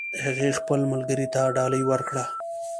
هغې خپل ملګري ته ډالۍ ورکړه